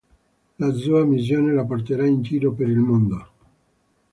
La sua missione lo porterà in giro per il mondo.